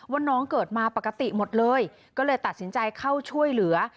ว่าน้องเกิดมาปกติหมดเลยก็เลยตัดสินใจเข้าช่วยเหลือ